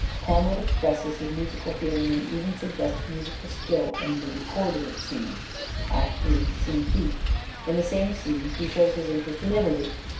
Hamlet expresses his musical feeling and even suggests musical skill in the " recorder " scene (III. 2). In the same scene he shows his interest in Italy.